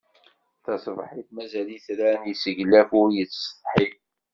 Taṣebḥit mazal itran, yesseglaf ur yettsetḥi.